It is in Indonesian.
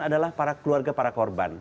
adalah para keluarga para korban